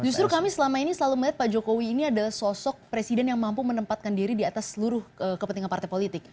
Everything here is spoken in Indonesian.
justru kami selama ini selalu melihat pak jokowi ini adalah sosok presiden yang mampu menempatkan diri di atas seluruh kepentingan partai politik